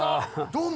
どうも。